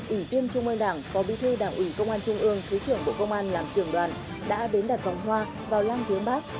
ủy viên trung mơn đảng phó bí thư đảng ủy công an trung ương thứ trưởng bộ công an làm trưởng đoàn đã đến đặt vòng hoa vào lang phía bắc